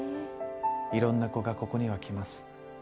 いろんな子がここには来ます。